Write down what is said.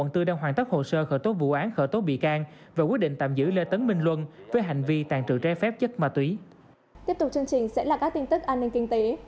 tiếp tục chương trình sẽ là các tin tức an ninh kinh tế